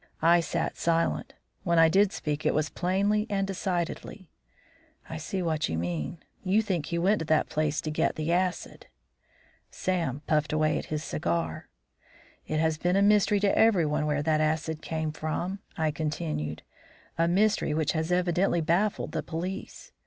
I sat silent; when I did speak it was plainly and decidedly. "I see what you mean. You think he went to that place to get the acid." Sam puffed away at his cigar. "It has been a mystery to everyone where that acid came from," I continued; "a mystery which has evidently baffled the police.